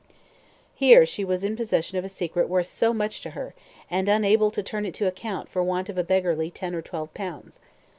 Here was she in possession of a secret worth so much to her, and unable to turn it to account for want of a beggarly ten or twelve pounds.